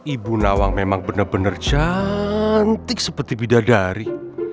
ibu nawang memang benar benar cantik seperti bidadari